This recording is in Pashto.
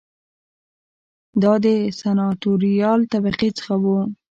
دا د سناتوریال طبقې څخه و